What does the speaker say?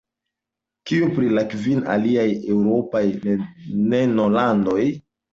Kio pri la kvin aliaj eŭropaj nanolandoj?